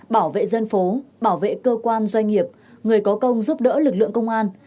bảo vệ dân phố bảo vệ cơ quan doanh nghiệp người có công giúp đỡ lực lượng công an